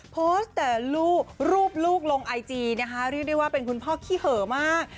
โพสต์แต่รูปลูกลงไอจีนะคะเรียกได้ว่าเป็นคุณพ่อขี้เหอะมาก